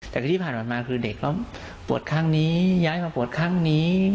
แต่คือที่ผ่านมาคือเด็กเขาปวดข้างนี้ย้ายมาปวดข้างนี้